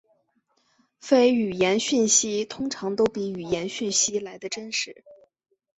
非语言讯息通常都比语言讯息来得真实。